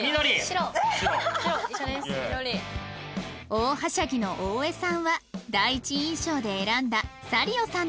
大はしゃぎの大江さんは第一印象で選んだサリオさんとペアに